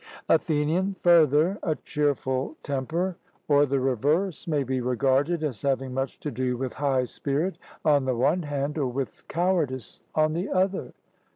ATHENIAN: Further, a cheerful temper, or the reverse, may be regarded as having much to do with high spirit on the one hand, or with cowardice on the other.